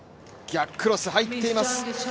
逆クロス、入っています。